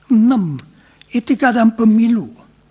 enam etika dalam pemilu